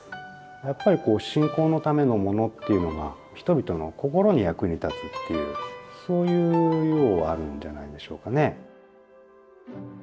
やっぱり信仰のためのものっていうのが人々の心に役に立つっていうそういう用はあるんじゃないでしょうかね。